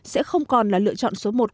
sẽ không còn là lựa chọn số một